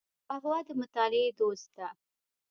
قهوه د مطالعې دوست ده